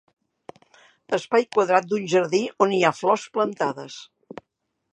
Espai quadrat d'un jardí on hi ha flors plantades.